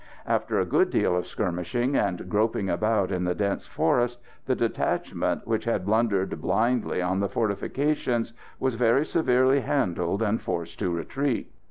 After a good deal of skirmishing and groping about in the dense forest, the detachment, which had blundered blindly on the fortifications, was very severely handled and forced to retreat.